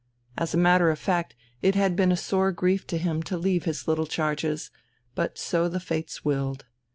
As a matter of fact, it had been a sore grief to him to leave his little charges, but so the fates willed.